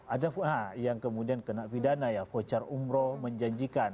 ada yang kemudian kena pidana ya voucher umroh menjanjikan